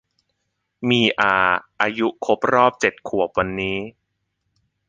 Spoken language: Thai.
มีอาอายุครบรอบเจ็ดขวบวันนี้